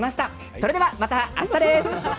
それではまた明日です。